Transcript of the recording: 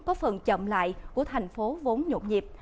có phần chậm lại của thành phố vốn nhộn nhịp